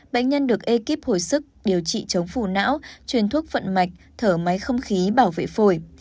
bệnh nhân được ekip hồi sức điều trị chống phủ não chuyển thuốc phận mạch thở máy không khí bảo vệ phổi